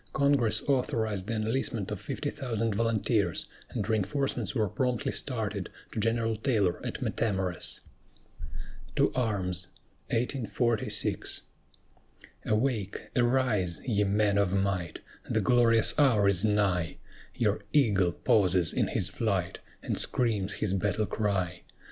Congress authorized the enlistment of fifty thousand volunteers, and reinforcements were promptly started to General Taylor at Matamoras. TO ARMS Awake! arise, ye men of might! The glorious hour is nigh, Your eagle pauses in his flight, And screams his battle cry.